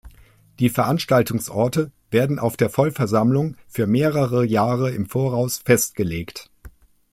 Die Veranstaltungsorte werden auf der Vollversammlung für mehrere Jahre im Voraus festgelegt.